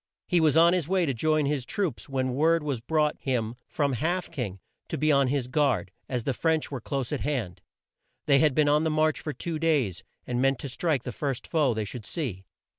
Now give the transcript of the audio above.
He was on his way to join his troops when word was brought him from Half King to be on his guard, as the French were close at hand. They had been on the march for two days, and meant to strike the first foe they should see.